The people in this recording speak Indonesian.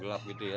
gelap gitu ya